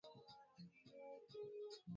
viazi lishe husaidia afya ya macho